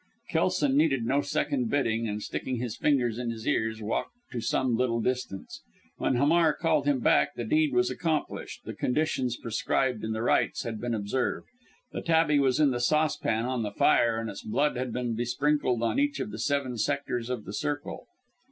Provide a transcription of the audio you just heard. Kelson needed no second bidding; and sticking his fingers in his ears, walked to some little distance. When Hamar called him back, the deed was accomplished the conditions prescribed in the rites had been observed the tabby was in the saucepan on the fire, and its blood had been besprinkled on each of the seven sectors of the circle.